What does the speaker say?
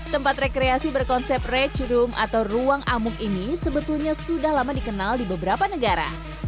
tempat rekreasi berkonsep red room atau ruang amuk ini sebetulnya sudah lama dikenal di beberapa negara